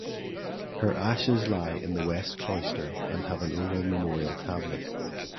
Her ashes lie in the West Cloister and have an oval memorial tablet.